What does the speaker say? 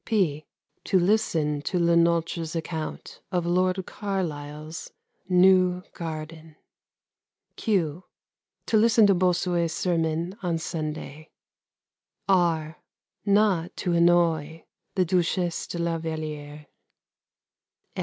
(p) To listen to Le Nôtre's account of Lord Carlisle's new garden. (q) To listen to Bossuet's sermon on Sunday. (r) Not to annoy the Duchesse de La Vallière.